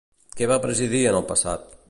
Què va presidir en el passat?